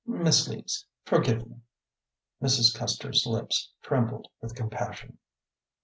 "Miss Leeds, forgive me " Mrs. Custer's lips trembled with compassion.